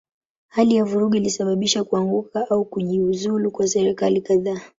Hali ya vurugu ilisababisha kuanguka au kujiuzulu kwa serikali kadhaa.